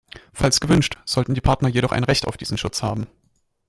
Falls gewünscht, sollten die Partner jedoch ein Recht auf diesen Schutz haben.